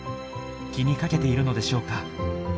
気にかけているのでしょうか。